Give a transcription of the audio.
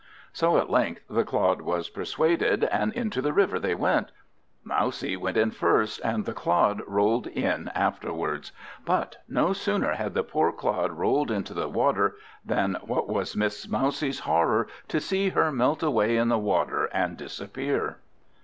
So at length the Clod was persuaded, and into the river they went. Mousie went in first, and the Clod rolled in afterwards; but no sooner had the poor Clod rolled into the river, than what was Miss Mousie's horror to see her melt away in the water, and disappear.